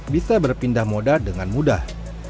bisa berpindah moda dengan mudah